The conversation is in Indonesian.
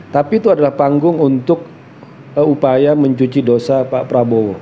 tapi itu adalah panggung untuk upaya mencuci dosa pak prabowo